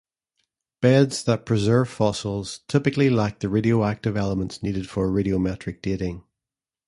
Beds that preserve fossils typically lack the radioactive elements needed for radiometric dating.